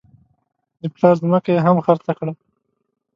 د پلار ځمکه یې هم خرڅه کړه.